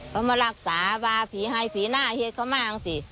เขามันลักษาเปล่าผีหายลรี่ผินหน้าฮีนกระม่างสิ